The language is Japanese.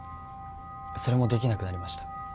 それもできなくなりました。